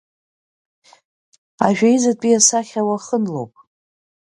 Ажәеизатәи асахьа уахынлоуп.